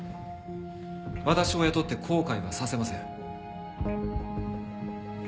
私を雇って後悔はさせません。